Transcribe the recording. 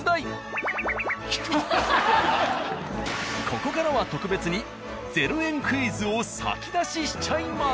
［ここからは特別に０円クイズを先出ししちゃいます］